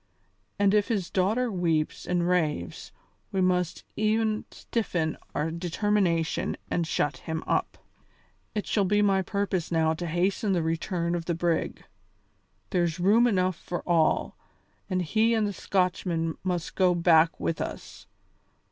And if his daughter weeps and raves, we must e'en stiffen our determination and shut him up. It shall be my purpose now to hasten the return of the brig. There's room enough for all, and he and the Scotchman must go back with us.